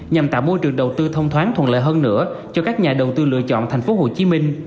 nhằm tạo môi trường đầu tư thông thoáng thuận lợi hơn nữa cho các nhà đầu tư lựa chọn tp hcm